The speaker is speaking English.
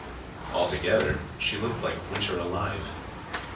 Altogether, she looked like winter alive.